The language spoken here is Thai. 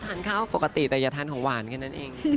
ทานข้าวปกติแต่อย่าทานของหวานแค่นั้นเอง